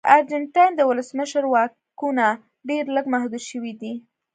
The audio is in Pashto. د ارجنټاین د ولسمشر واکونه ډېر لږ محدود شوي دي.